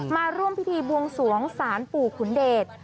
มาร่วมพิธีบวงสวงศาลปู่ขุนเดช